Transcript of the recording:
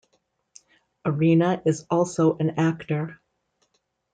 Arena is also an actor.